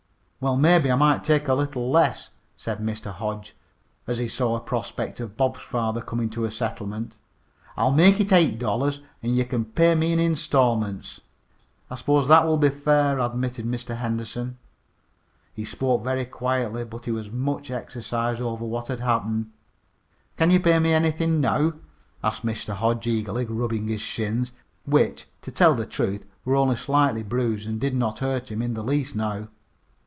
"Well, maybe I might take a little less," said Mr. Hodge, as he saw a prospect of Bob's father coming to a settlement. "I'll make it eight dollars, an' ye can pay me in installments." "I suppose that will be fair," admitted Mr. Henderson. He spoke very quietly, but he was much exercised over what had happened. "Can ye pay me anythin' now?" asked Mr. Hodge eagerly, rubbing his shins, which, to tell the truth, were only slightly bruised and did not hurt him in the least now.